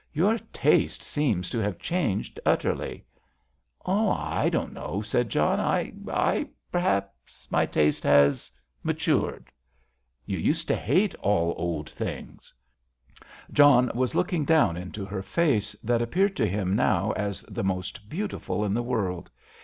"Your taste seems to have changed utterly." "Oh, I don't know," said John. "I—I—perhaps my taste has matured——" "You used to hate all old things." John was looking down into her face, that appeared to him now as the most beautiful in the world.